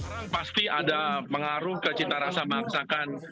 arang pasti ada pengaruh ke cinta rasa masakan